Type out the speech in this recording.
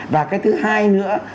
và cái thứ hai nữa